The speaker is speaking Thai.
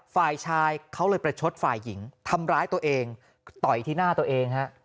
ฝ่ายชายเขาเลยประชดฝ่ายหญิงทำร้ายตัวเองต่อยที่หน้าตัวเองฮะ